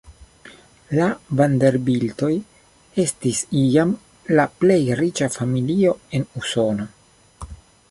La Vanderbilt-oj estis iam la plej riĉa familio en Usono.